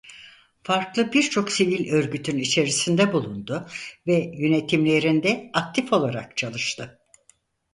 Farklı birçok sivil örgütün içerisinde bulundu ve yönetimlerinde aktif olarak çalıştı.